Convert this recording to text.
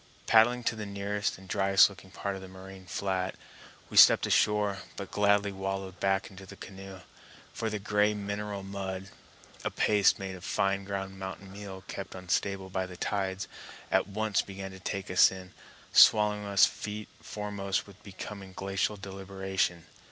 Paddling to the nearest and driest looking part of the moraine flat, we stepped ashore, but gladly wallowed back into the canoe; for the gray mineral mud, a paste made of fine ground mountain meal kept unstable by the tides, at once began to take us in, swallowing us feet foremost with becoming glacial deliberation.